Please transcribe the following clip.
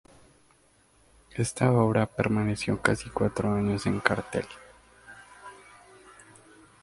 Esta obra permaneció casi cuatro años en cartel.